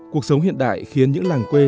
cuộc sống hiện đại khiến những làng quê